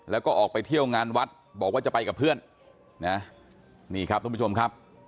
แล้วก็ออกไปเที่ยวงานวัดบอกว่าจะไปกับเพื่อนนะนี่ครับทุกผู้ชมครับ